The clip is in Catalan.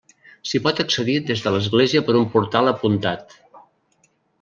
S'hi pot accedir des de l'església per un portal apuntat.